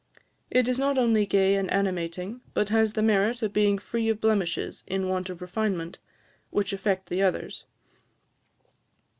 It is not only gay and animating, but has the merit of being free of blemishes in want of refinement, which affect the others.